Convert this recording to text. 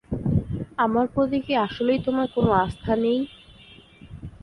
আমার প্রতি কি আসলেই তোমার কোনো আস্থা নেই?